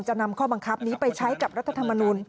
นำข้อบังคับนี้ไปใช้กับรัฐธรรมนูล